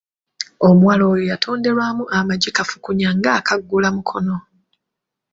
Omuwala oyo yatonderwamu amagi kafukunya ng'akaagula Mukono.